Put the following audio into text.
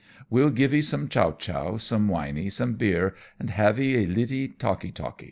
We'll givee some chow chow, some winee, some beer, and havee a littee talkee talkee."